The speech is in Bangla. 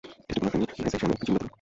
টেস্টিকুলার ফেমিনাইজেশন একটি জিনগত রোগ।